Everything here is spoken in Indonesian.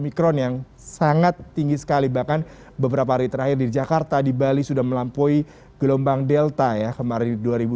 omikron yang sangat tinggi sekali bahkan beberapa hari terakhir di jakarta di bali sudah melampaui gelombang delta ya kemarin di dua ribu dua puluh